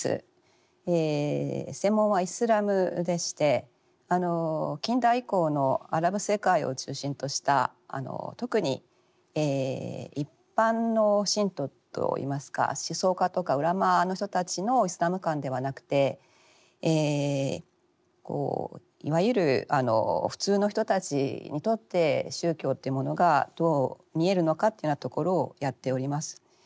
専門はイスラムでして近代以降のアラブ世界を中心とした特に一般の信徒と言いますか思想家とかウラマーの人たちのイスラム観ではなくていわゆる普通の人たちにとって宗教というものがどう見えるのかというようなところをやっております。